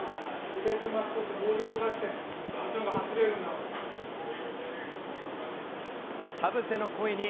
スペースうまく取って、ボール動かして、こっちのほうが走れるんだから。